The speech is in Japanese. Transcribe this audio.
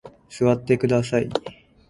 座ってください。